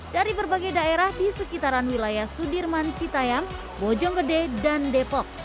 dari berbagai daerah di sekitaran wilayah sudirman citayam bojonggede dan depok